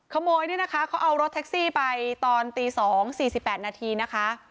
ขโมยนี่นะคะเขาเอารถแท็กซี่ไปตอนตีสองสี่สิบแปดนาทีนะคะ